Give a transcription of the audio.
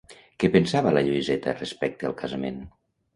Què pensava la Lluïseta respecte al casament?